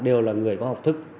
đều là người có học thức